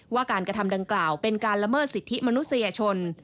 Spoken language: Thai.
ว่าการกระทำดังกล่าวเป็นการละเมิดสิทธิมนุษยชน